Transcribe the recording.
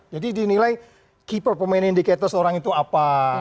jadi dinilai keeper pemain indikator seorang itu apa